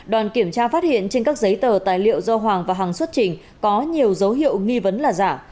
đoàn kiểm tra phát hiện trên các giấy tờ tài liệu do hoàng và hàng xuất trình có nhiều dấu hiệu nghi vấn là giả